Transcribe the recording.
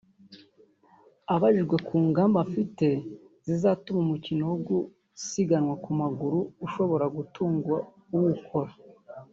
Abajijwe ku ngamba afite zizatuma umukino wo gusiganwa ku maguru ushobora gutunga uwukora